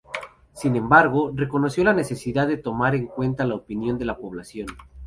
Sin embargo, reconoció la necesidad de tomar en cuenta la opinión de la población.